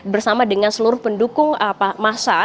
bersama dengan seluruh pendukung masa